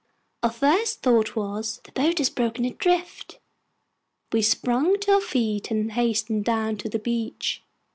Our first thought was, "The boat has broken adrift!" We sprung to our feet and hastened down to the beach.